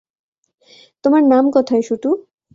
তোমার নাম কোথায়, শুটু?